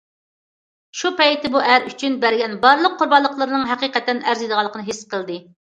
شۇ پەيتتە بۇ ئەر ئۈچۈن بەرگەن بارلىق قۇربانلىقلىرىنىڭ ھەقىقەتەن ئەرزىيدىغانلىقىنى ھېس قىلدى.